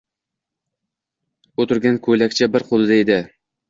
U turgan ko‘ylakcha bir qo‘lida edi.